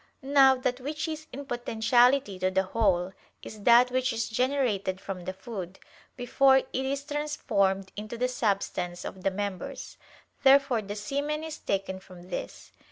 Now that which is in potentiality to the whole, is that which is generated from the food, before it is transformed into the substance of the members. Therefore the semen is taken from this.